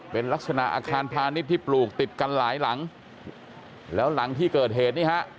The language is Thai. เป็นลักษณะอาคารพาณิชย์ที่ปลูกติดกันหลายหลังแล้วหลังที่เกิดเหตุนี่ฮะ